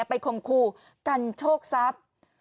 ไปขมครูการโชคทรัพย์